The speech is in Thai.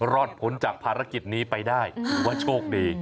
รอดพ้นจากภารกิจนี้ไปได้ถือว่าโชคดี